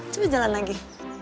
coba jalan lagi